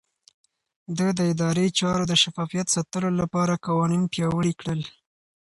ده د ادارې چارو د شفافيت ساتلو لپاره قوانين پياوړي کړل.